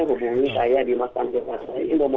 membunuhi saya di masjid